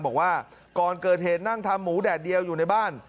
บอกว่าก่อนเกิดเหตุนั่งทำหมูแดดเดียวอยู่ในบ้าน